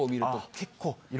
結構。